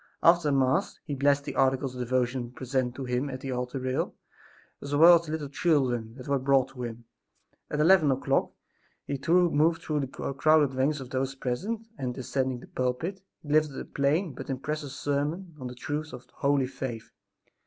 After Mass he blessed the articles of devotion presented to him at the altar rail, as well as the little children that were brought to him. At eleven o'clock he moved through the crowded ranks of those present and, ascending the pulpit, he delivered a plain but impressive sermon on the truths of holy faith.